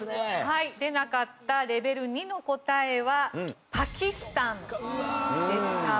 出なかったレベル２の答えはパキスタンでした。